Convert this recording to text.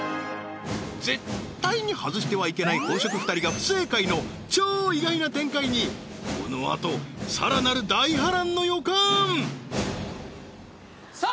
絶対に外してはいけない本職２人が不正解の超意外な展開にこのあとさらなる大波乱の予感さあ